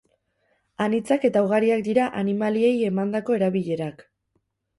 Anitzak eta ugariak dira animaliei emandako erabilerak.